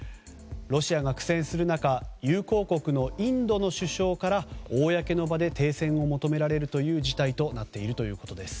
ロシアが苦戦する中友好国のインドの首相から公の場で停戦を求められる事態となっているということです。